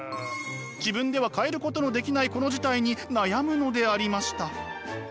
自分では変えることのできないこの事態に悩むのでありました。